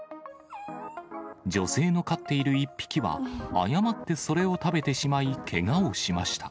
女性の飼っている１匹は誤ってそれを食べてしまい、けがをしました。